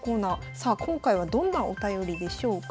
さあ今回はどんなお便りでしょうか。